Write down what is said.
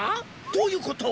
どういうこと？